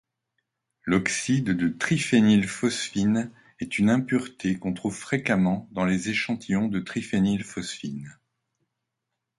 L'oxyde de triphénylphosphine est une impureté qu'on trouve fréquemment dans les échantillons de triphénylphosphine.